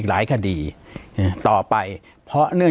ปากกับภาคภูมิ